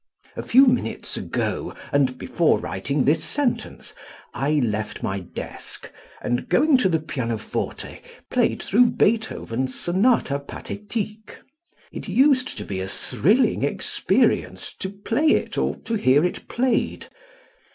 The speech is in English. A few minutes ago and before writing this sentence, I left my desk and going to the pianoforte, played through Beethoven's "Sonata Pathétique." It used to be a thrilling experience to play it or to hear it played.